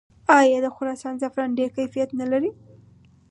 آیا د خراسان زعفران ډیر کیفیت نلري؟